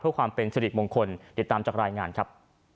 เพื่อความเป็นสิริมงคลติดตามจากรายงานครับ